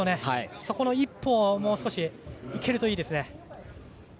そこの一歩をもう少しいけるといいですね。